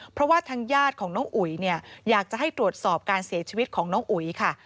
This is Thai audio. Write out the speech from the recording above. เพราะว่าทางญาติของน้องอุ๋ยเนี่ยอยากจะให้ตรวจสอบการเสียชีวิตของน้องอุ๋ยค่ะ